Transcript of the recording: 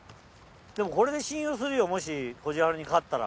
もこれで信用するよもしこじはるに勝ったら。